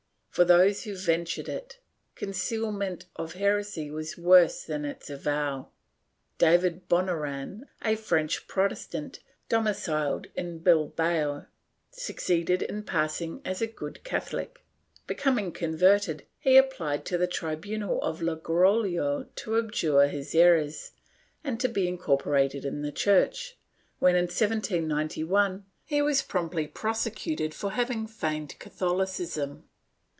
For those who ventured it, concealment of heresy was worse than its avowal. David Bonoran, a French Protes tant, domiciled in Bilbao, succeeded in passing as a good Catholic. Becoming converted, he applied to the tribunal of Logrono to abjure his errors and be incorporated in the Church, when, in 1791, he was promptly prosecuted for having feigned CathoHcism.